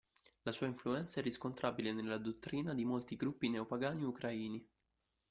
La sua influenza è riscontrabile nella dottrina di molti gruppi neopagani ucraini.